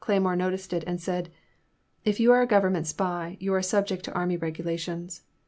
Cleymore noticed it, and said: If you are a Government spy, you are subject to army regulations.